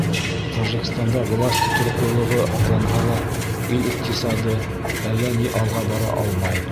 Тажикстанда власть тотороҡлолоғо һаҡланһа ла, ил иҡтисады әллә ни алға бара алмай.